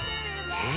え？